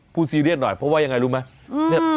ซีเรียสหน่อยเพราะว่ายังไงรู้ไหม